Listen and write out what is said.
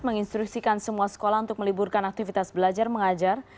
menginstruksikan semua sekolah untuk meliburkan aktivitas belajar mengajar